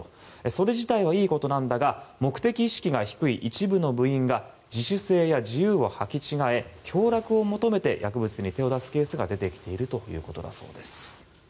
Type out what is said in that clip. それ自体はいいことだが目的意識が低い一部の部員が自主性や自由をはき違え享楽を求めて薬物に手を出すケースが出てきているということだそうです。